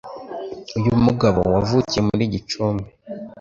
Uyu mugabo wavukiye muri Gicumbi